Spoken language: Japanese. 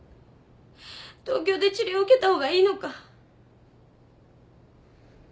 東京で治療受けたほうがいいのか。